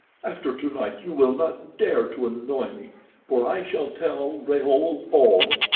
After tonight you will not dare to annoy me, for I shall tell Raoul all.